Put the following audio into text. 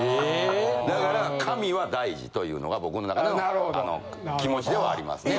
だから紙は大事というのは僕の中では気持ちではありますね。